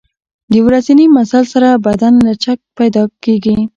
د ورځني مزل سره بدن لچک پیدا کېږي.